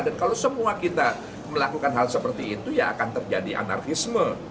dan kalau semua kita melakukan hal seperti itu ya akan terjadi anarkisme